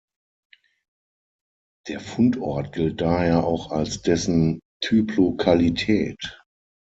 Der Fundort gilt daher auch als dessen Typlokalität.